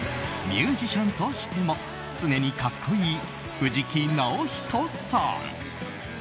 ミュージシャンとしても常に格好いい藤木直人さん。